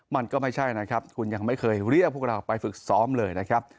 มันก็ไม่ใช่นะครับคุณยังไม่เคยเรียกพวกเราไปฝึกซ้อมเลยนะครับ